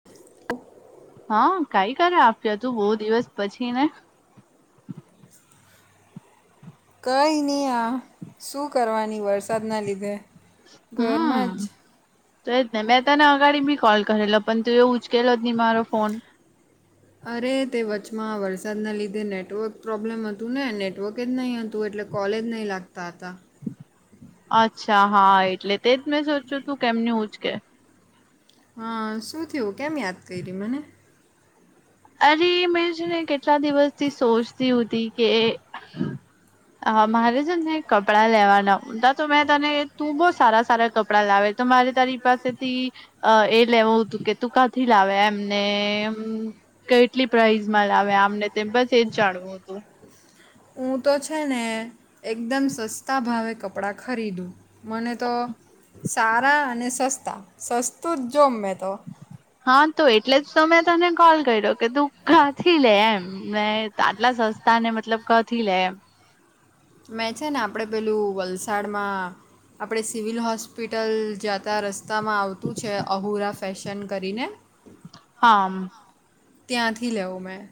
[inaudible] હા કાઈ કર આપ્યું તું બોવ દિવસ પછી ને કંઈ નહી આ શું કરવાની વરસાદના લીધે ઘરમાં જ તે જ ને તને અગાડી બી કોલ કરેલો પણ તું એ ઉચકેલો જ ની મારો ફોન અરે તે વચ્ચમાં વરસાદના લીધે નેટવર્ક પ્રોબ્લેમ હતું ને નેટવર્ક જ નહીં હતું એટલે કોલે જ નય લાગતા હતા અચ્છા હા એટલે તેજ મેં સોચુ તું કેમ ની ઉચકે હા શું થયું કેમ‌ યાદ કરી મને અરે મેં છે ને કેટલા દિવસ થી સોચતી હતી કે હ મારે છે ને કપડાં લેવાના ઉટા તો મેં તને તું બહુ સારા સારા કપડાં લાવે તમારે તારી પાસેથી અ એ લેવું તું કે તું કાથી લાવે એમ ને કેટલી પ્રાઈઝમાં લાવે આમને તેમ બસ, એજ જાણવું હતું. હું તો છે ને એકદમ સસ્તા ભાવે કપ ળા ખરીદું, મને તો સારા અને સસ્તા સસ્તુ જ જોમ મેં તો. હા, તો એટલે જ તો મેં તને કોલ કર્યો કે તું કાથી લે એમ ને આટલા સસ્તા ને મતલબ કાથી લેમ? મેં છે આપળે પેલું વલસાડ માં આપળે સિવિલ હોસ્પિટલ જાતા રસ્ તામાં આવતું છે અહુરા ફેશન કરીને, હા હામ ત્યાંથી લેવું મેં.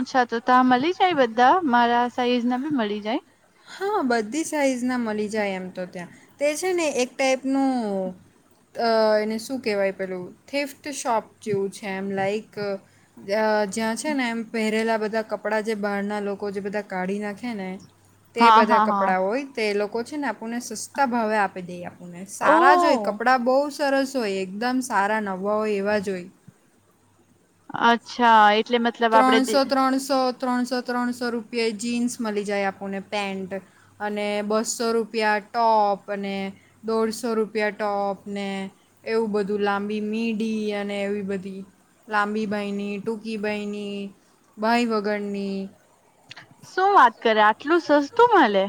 અચ્છા! તો તા મલી જાય બધા મારા સાઈઝ ના બી મલી જાય? હા બધી સાઈઝના મલી જાય એમ તો ત્યાં તે છે ને એક ટાઈપનું અ એને શું કેવાય પેલું થિફ્ટ શોપ જેવું છે, એમ લાઈક જ્ય જ્યાં છે ને એમ પેરેલા બધા કપળા જે બહારના લોકો જે બધા કાઢી નાખે ને તે હા બધા હા હા કપળા હોય તે એ લોકો છે ને આપુંને સસ્તા ભાવે આપી દેય આપ સારાજ હોય ઓહ કપળા બોવ સરસ હોય એકદમ સારા નવાં હોય એવાજ હોય. અચ્છા એ ત્રણસો ત્રણસો ત્રણસો ત્રણસો રૂપિયે જીન્સ મલી જાય આપુંને પેન્ટ અને બસો રૂપિયે ટોપ અને દોઢસો રૂપિયા ટોપ ને એવું બધું લાંબી મીડી અને એવી બધી લાંબી બાઈની, ટૂંકી બાઈની, બાઈ વગરની. શું વાત કરે આટલું સસ્તું મલે,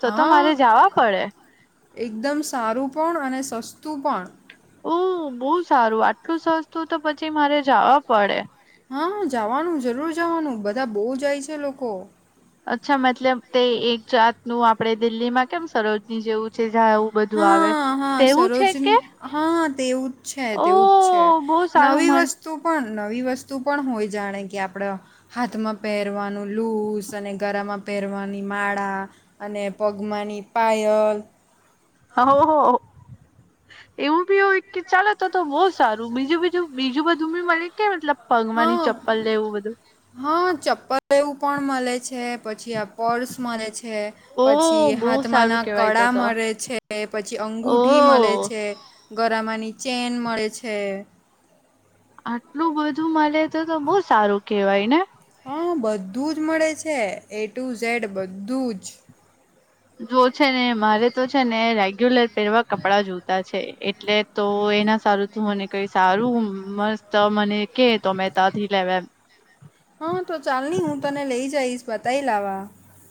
તો તો હા મારે જાવા પળે. એકદમ સારું પણ, અને સસ્તું પણ. ઓ બો સારું આટલું સસ્તું તો પછી મારે જાવા પળે. હા.. હા જાવાનું જરૂર જવાનું બધા બો જાય છે લોકો. અચ્છા મતલબ તે એક જાતનું આપણે દિલ્હી માં કેમ સરોજની જેવું જે જા એવું બધું આવે. હા હા તેવું છે કે સરોજની, હા તેવું જ છે, તેવું જ છે, ઓહ બહુ સારું નવી મળ વસ્ તું પણ નવી વસ્તુ પણ હોય, જાણે કે આપડ હાથમાં પેરવાનું લૂઝ અને ગળામાં પેરવાની માળા અને પગમાં ની પાયલ. આહા, ઓ હો અહો એવું ભી ઓય કે ચાલો તો તો બો સારું બીજું બીજું બીજું બધું બી મલે કે મતલબ પગમાં ની હા ચપ્પલ એવું બધું. હા ચપ્પલ ને એવું પણ મલે છે, પછી આ પર્સ મલે છે પછી ઓહ બહુ સારું હાથમાના કેવાય તો કળા તો મલે છે, પછી અંગૂઠી મલે ઓહ છે ગરામાંની ચેન મળે છે. આટલું બધું મલે તો તો બો સારું કેવાય ને. હા બધું જ મળે છે એ ટુ ઝેડ બધું જ. જો છે ને મારે તો છે ને રેગ્યુલર પેરવા કપડા જુતાં છે એટલે તો એના સારું તું મને કઈ સારું મસ્ત મને કે તો મેં તાથી લેમ એમ. હ તો ચાલની હું તને લઈ જઈશ બતાઈ લાવા,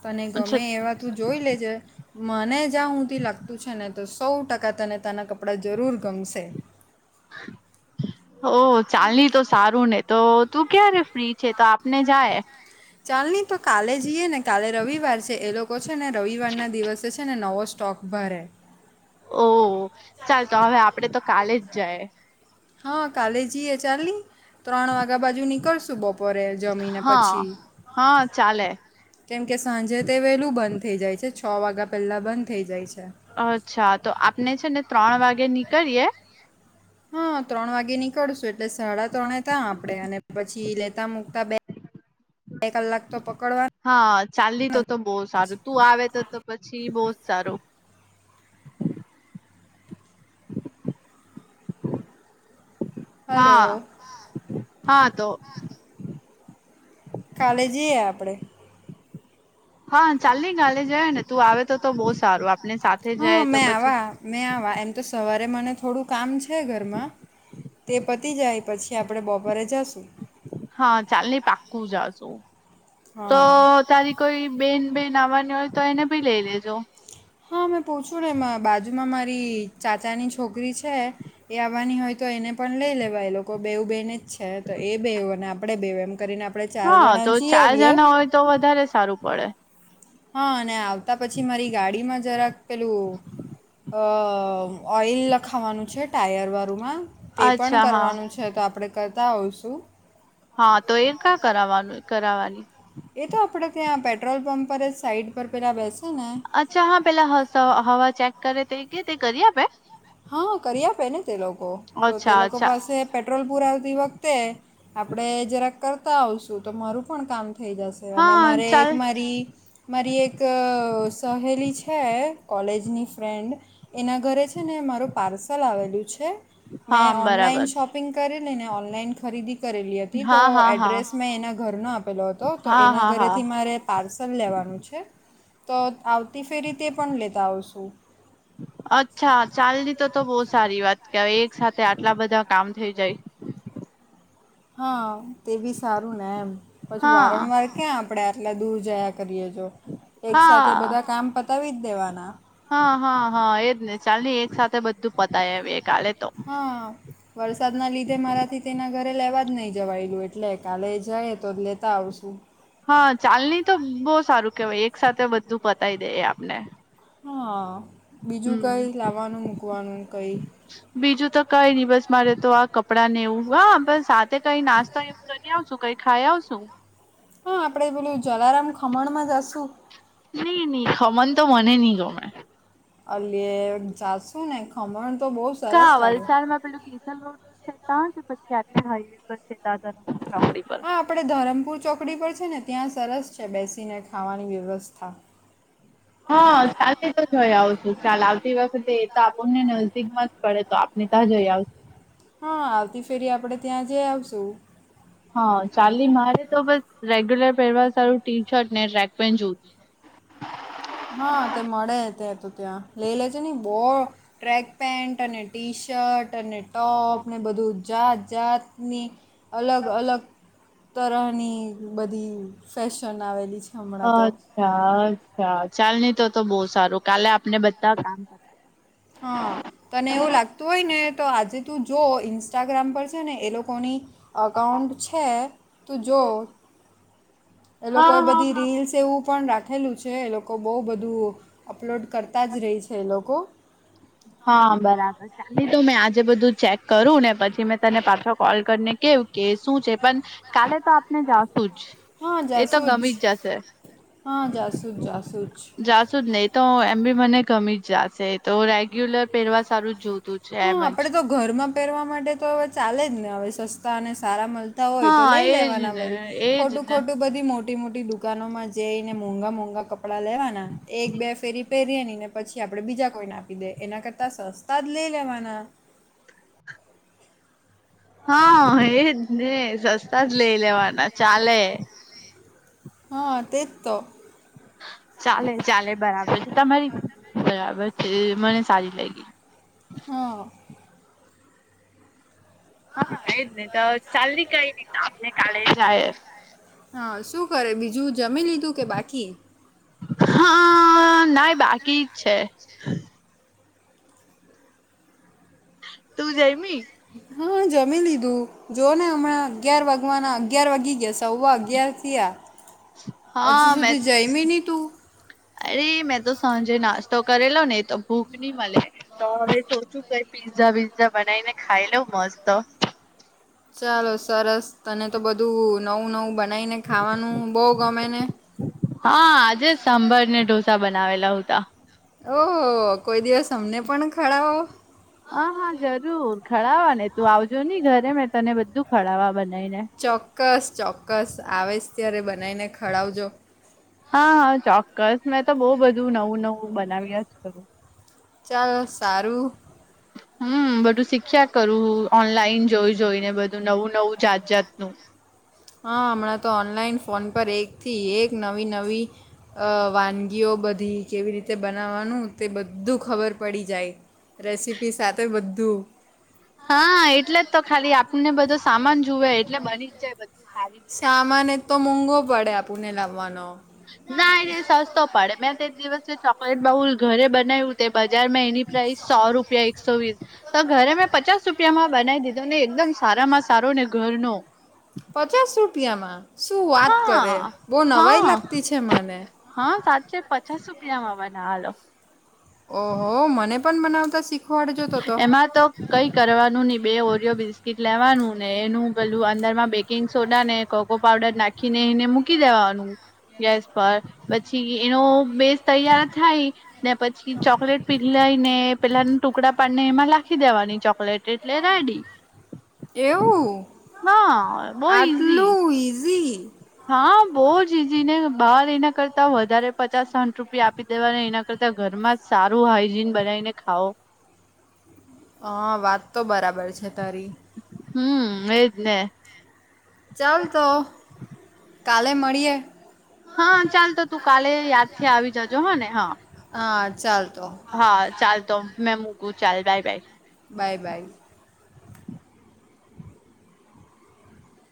તને અચ્છા ગમે એવા તું જોઈ લેજે મને જા હુંદી લાગતું છે ને તો સૌ ટકા તને તાના કપડાં જરૂર ગમશે. હો ઓ ચાલી તો સારું ને તો તું ક્યારે ફ્રી છે તો આપને જાયે ચાલની તો કાલે જીઈએ. ને કાલે રવિવાર છે. એ લોકો છે. ને રવિવારના દિવસે છે. ને નવો સ્ટોક ભરે ઓ ચાલ તો હવે આપડે તો કાલે જ જાયે હા કાલે જીએ ચાલની. ત્રણ વાગા બાજુ નીકળશું બપોરે જમીને હા પછી હા ચાલે કેમ કે સાંજે તે વહેલું બંધ થઇ જાય છે. છ વાગ્યા પહેલા બંધ થઇ જાય છે. અચ્છા તો આપને છે ને ત્રણ વાગે નીકળીએ. હા ત્રણ વાગે નીકળશું એટલે સાડા ત્રણે ત્યાં આપણે અને પછી લેતા મૂકતા બે બે કલાક તો પકડવા હા ચાલ ની તો તો બો સારું તું આવે તો તો પછી બોજ સારુ. હલો હા હા તો કાલે જઈએ આપણે. હા ચાલની કાલે જઈને તું આવે તો તો બોજ સારું આપને સાથે હા જાયે તો મેં પછી આવા મેં આવા એમ તો સવારે મને થોડું કામ છે ઘરમાં તે પતી જાય પછી આપણે બપોરે જશું. હા ચાલને પાકું જાશું. તો હા તારી કોઈ બેન બેન આવવાની હોય તો એને ભી લઈ લેજો. હા મેં પૂછ્યું ને મા બાજુમાં મારી ચાચાની છોકરી છે એ આવવાની હોય તો એને પણ લઈ લેવા એ લોકો બેવું બેન જ છે તો એ બેવું અને આપડે બેવ એમ કરીને આપણે ચાર હા જણા તો જઈ ચાર આવીએ જણા હોય તો વધારે સારું પડે. હા અને આવતા પછી મારી ગાડીમાં જરાક પેલું અ ઓઈલ લખાવાનું છે ટાયર વાળુંમાં તે પણ અચ્છા હા કરવાનું છે તો આપણે કરતા આવશું. હા તો એકા કરાવાની કરાવવાની એ તો આપડે ત્યાં પેટ્રોલ પંપ પર જ સાઈડ પર પેલા બેસ અચ્છા હા પેલા હસ હવા ચેક કરે તે કે તે કરી આપે. હા કરી આપે ને તે લોકો તો તે અચ્છા લોકો અચ્છા પાસે પેટ્રોલ પુરાવતી વખતે આપડે જરાક કરતા આવશું તો મારું પણ કામ થઈ જશ અને હા મારેક ચાલ મારી મારી એક સહેલી છે કોલેજની ફ્રેન્ડ એના ઘરે છે છે ને મારું પાર્સલ આવેલું છે હા મેં બરાબર ઓનલાઈન શોપિંગ કરેલી ને ઓનલાઈન ખરીદી કરેલી હતી. હા તો હા હા એડ્રેસ મેં એના ઘરનો આપ પેલો હતો તો હા એના હા હા ઘરેથી મારે પાર્સલ લેવાનું છે તો આવતી ફેરી તે પણ લેતા આવશું. અચ્છા ચાલલી તો તો બોજ સારી વાત કેવાય એક સાથે આટલા બધા કામ થઇ જાય. હા તેબી સારું ને એમ પછી હા વારંવાર ક્યાં આપડે આટલા દૂર જયા કરીએ જો એક સાથે હા બધા કામ પતાવી જ દેવાના હા હા હા એજને ચાલ ને એક સાથે બધું પતાવી આવીએ. કાલે તો હા વરસાદના લીધે મારાથી તેના ઘરે લેવા જ નહી જવાયેલું એટલે કાલે જઈયે તો લેતા આવશું. હા ચાલની તો બો સારું કેવાય એક સાથે બધું પતાવી દઇએ આપને. હા બીજું હમ કંઈ લાવવાનું મૂકવાનું કંઈ બીજુ તો કંઈ નહી બસ મારે તો આ કપડાં ને એવું વાહ બસ સાથે કંઈ નાસ્તોવ એવો કરી આવશું કંઈ ખાઈ આવશું. હા આપણેે પેલુ જલારામ ખમણમાં જશું. ની ની ખમન તો મને ની ગમે અલ્યે જાશું ને ખમણ તો બોજ કા વલસાડમાં પેલું તિથલ રોડ પર છે તા કે પછી આટલે હાઈવે પર છે તા ધરમપુર ચોકડી પર. આપડે ધરમપુર ચોકડી પર છે ને ત્યાં સરસ છે બેસીને ખાવાની વ્યવસ્થા. હા ચાલની તો જોઈ આવ છું ચાલ આવતી વખતે એ તો આપણને નજદીક માં જ પડે તો આપને ત્યાં જઈ આવ હા આવતી ફેરી આપણે ત્યાં જઈ આવશું. હા ચાલની મારે તો બસ રેગ્યુલર પહેરવા સારું ટી શર્ટ ને ટ્રેક પેન્ટ જોતું હા તે મળે ત્યાં તો ત્યાં લઈ લેજે ને બો ટ્રેક પેન્ટ અને ટી શર્ટ અને ટોપ ને બધું જાત જાતની અલગ અલગ તરહની બધી ફેશન આવેલી છે. હમણાં તો અચ્છા અચ્છા ચાલની તો તો બહુ સારું કાલે આપને બધા કામ હ તને એવું લાગ તું હોય ને તો આજે તું જો ઇન્સ્ટાગ્રામ પર છે ને એ લોકોની અકાઉન્ટ છે તું જો એ હા લોકો એ હા બધી હા રીલ્સ તેવું પણ રાખેલું છે એ લોકો બહુ બધું અપલોડ કરતા જ રહે છે એ લોકો. હા બરાબર. ચાલની તો મેં આજે બધું ચેક કરું ને પછી મેં તને પાછો કોલ કરીને કેવું કે શું છે પણ કાલે તો આપને જાશું જ. હા એ તો જાસું જ ગમી જશે હા જાસુ જાસું જ. જાશુ જ નહી તો એમ બી મને ગમી જ જાશે એતો રેગ્યુલર પહેરવા સારું જ જોતું છે હા એમ જ આપડે તો ઘરમાં પહેરવા માટે તો હવે ચાલે જ ને હવે સસ્તા અને સારા મલ તા હોય તો હા લઈ એજ લેવાના ને વરી એજ ખોટું ને ખોટું બધી મોટી દુકાનોમાં જઈને મોંઘાં મોઘા કપડાં લેવાના એક બે ફેરી પહેરીએનીને પછી આપણે બીજા કોઈને આપી દે એના કરતાં સસ્તા જ લઈ લેવાના. હા એજ એજ ને સસ્તા જ લઈ લેવાના ચાલે. હા તે જ તો. ચાલે ચાલે બરાબર છે તમારી બરાબર છે મને સારી લાગી. હા. હા એ જ નહી તો ચાલની કઈ નહી આપને કાલે જાએ. હા શું કરે બીજું જમી લીધું કે બાકી. હા.. નાઈ બાકી જ છે. તું જમી. હા જમી લીધું જો ને હમણાં અગિયાર વાગવાના અગ્યાર વાગી ગયા શે. સવા અગિયાર થીઆ હજુ હા મે સુધી જઈમી ની તું. અરે મેં તો સાંજે નાસ્તો કરેલો ને એ તો ભૂખ ની મલે. તો હવે સોચું કઈ પીઝા વિઝા બનાવીને ખાઈ લઉ મસ્ત. ચાલો સરસ તને તો બધું નવું નવું બનાઈને ખાવાનું બહુ ગમે ને. હા આજે જ સાંભર ને ઢોસા બનાવેલા ઉતા. ઓહોહો કોઈ દિવસ અમને ખડાવો. હા હા જરૂર ખડાવા ને તો આવજો ને ઘરે મે તને બધું ખડાવા બનાવી ને. ચોક્કસ ચોક્કસ આવે જ ત્યારે બનાવીને ખડાવજો. હા હા ચોક્કસ મેં તો બો બધું નવું નવું બનાવ્યા જ કરું. ચાલો સારું. [unintelligible] હમ બધું શીખ્યા કરું ઓનલાઈન જોઈ જોઈને બધું નવું નવું જાત જાતનું. હા હમણાં તો ઓનલાઈન ફોન પર એકથી એક નવી નવી અ વાનગીઓ બધી કેવી રીતે બનાવવાનું તે બધું ખબર પડી જાય. રેસીપી સાથે બધું. હા એટલે જ તો ખાલી આપણને બધો સામાન જુવે એટલે બની જાય. સારી રીતે. સામાન એ તો મોંઘો પડે આપુને લાવવાનો. ના એ સસ્તો પડે મેં તે દિવસે ચોકલેટ બ્રાઉન ઘરે બનાવ્યું તે બજારમાં એની પ્રાઇસ સો રૂપિયા એક્સો વીસ તો ઘરે મેં પચાસ રૂપિયામાં બનાવી દીધો ને એકદમ સારામાં સારો ને ઘરનો પચાસ રૂપિયામાં શું વાત હા કરે બહુ નવાઈ હા લાગતી છે મને હા સાચ્ચે છે પચાસ રૂપિયામાં બનાવેલો. ઓહો મને પણ બનાવતા શીખવો. એમાં તો કંઈ કરવાનું નહી બે ઓરિયો બિસ્કીટ લેવાનું ને એનું પેલું અંદર માં બેકિંગ સોડા ને કોકો પાવડર નાખી ને એને મુકી દેવાનું ગેસ પર પછી એનો બેસ તૈયાર થાય. ને પછી ચોકલેટ પીગલાયને પેલા ટુકડા પાડીને એમાં નાખી દેવાની ચોકલેટ એટલે રેડી. એવું હા બહુ ઈઝી આટલું ઇઝી હા બહુ જ ઇઝી ને બહાર એના કરતા વધારે પચાસ સાઠ રૂપિયા આપી દેવા એના કરતા ઘરમાં સારું હાઈજીન બનાવીને ખાઓ. હા વાતતો બરાબર છે તારી. હમ્મ, એજ ને. ચાલ તો કાલે મળીએ. હા ચાલ તો તું કાલે યાદથી આવી જજે હો ને હા. હા ચાલ તો. હા ચાલ તો. મેં મૂકું ચાલ બાય-બાય. બાય-બાય.